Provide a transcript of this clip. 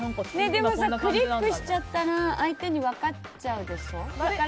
でもクリックしちゃったら相手に分かっちゃうでしょ？